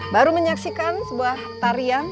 baru menyaksikan sebuah tarian